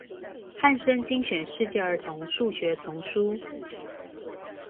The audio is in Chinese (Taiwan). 漢聲精選世界兒童數學叢書